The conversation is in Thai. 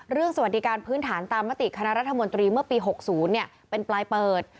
สวัสดิการพื้นฐานตามมติคณะรัฐมนตรีเมื่อปี๖๐เป็นปลายเปิด